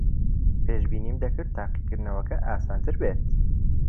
پێشبینیم دەکرد تاقیکردنەوەکە ئاسانتر بێت.